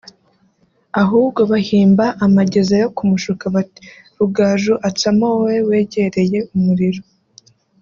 ahubwo bahimba amageza yo kumushuka bati «Rugaju atsamo wowe wegereye umuriro